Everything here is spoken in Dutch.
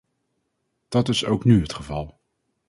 Dat is ook nu het geval.